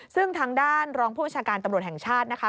ซึ่งทางด้านรองผู้บัญชาการตำรวจแห่งชาตินะคะ